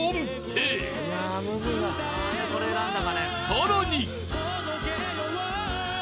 ［さらに］